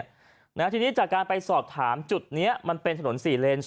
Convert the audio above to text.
มันก็ชนกันไหมล่ะนี่